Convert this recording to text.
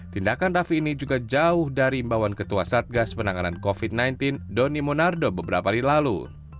tindakan rafi ini juga jauh dari imbauan ketua satgas penanganan covid sembilan belas doni monardo beberapa hari lalu